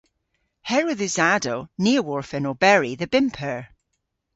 Herwydh usadow ni a worfen oberi dhe bymp eur.